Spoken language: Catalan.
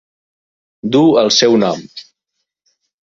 Du el seu nom.